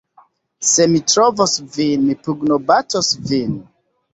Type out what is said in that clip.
"Se mi trovos vin, mi pugnobatos vin!"